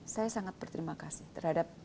saya sangat berterima kasih terhadap